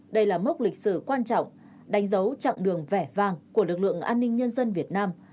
đây là mốc lịch sử quan trọng đánh dấu chặng đường vẻ vang của lực lượng an ninh nhân dân việt nam